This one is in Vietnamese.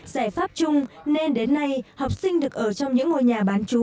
giải pháp chung nên đến nay học sinh được ở trong những ngôi nhà bán chú